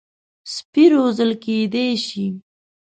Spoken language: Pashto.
سپي روزل کېدای شي.